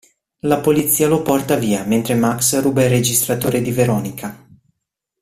La polizia lo porta via, mentre Max ruba il registratore di Veronica.